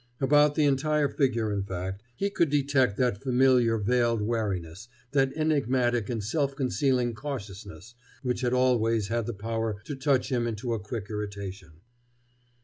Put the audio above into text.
About the entire figure, in fact, he could detect that familiar veiled wariness, that enigmatic and self concealing cautiousness which had always had the power to touch him into a quick irritation.